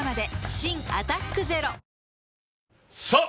新「アタックＺＥＲＯ」さぁ！